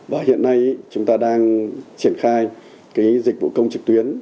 và hiện nay chúng ta đang triển khai cái dịch vụ công trực tuyến